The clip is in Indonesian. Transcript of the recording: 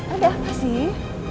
ada apa sih